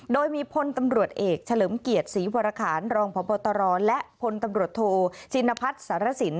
โดยมีพลตำรวจเอกเฉลิมเกียรติศรีวรคารรองพบตรและพลตำรวจโทชินพัฒน์สารสิน